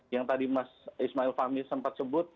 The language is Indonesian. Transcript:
yang tadi mas ismail fahmi sempat sebut